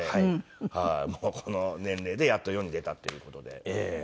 もうこの年齢でやっと世に出たっていう事で。